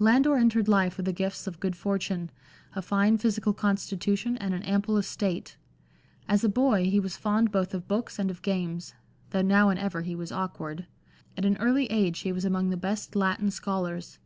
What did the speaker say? Landor entered life with the gifts of good fortune, a fine physical constitution and an ample estate. As a boy, he was fond both of books and of games (though now and ever he was awkward) ; at an early age he was among the best Latin scholars.